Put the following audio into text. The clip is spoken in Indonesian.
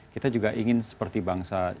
kita juga ingin seperti bangsa